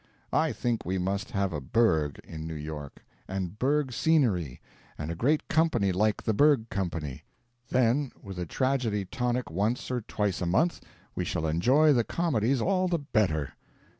I think we must have a Burg in New York, and Burg scenery, and a great company like the Burg company. Then, with a tragedy tonic once or twice a month, we shall enjoy the comedies all the better.